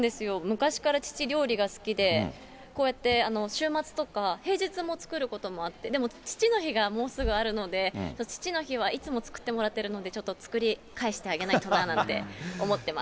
昔から、父、料理が好きで、こうやって週末とか、平日も作ることもあって、でも、父の日がもうすぐあるので、父の日はいつも作ってもらってるので、ちょっと作り返してあげないとなと思ってます。